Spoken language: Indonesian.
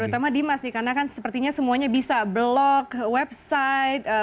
terutama dimas nih karena kan sepertinya semuanya bisa blog website